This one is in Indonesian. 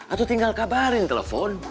atau tinggal kabarin telepon